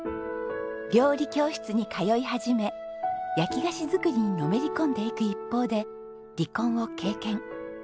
料理教室に通い始め焼き菓子作りにのめり込んでいく一方で離婚を経験。